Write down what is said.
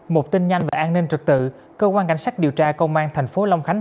một tin nhanh về an ninh trực tự cơ quan cảnh sát điều tra công an thành phố long khánh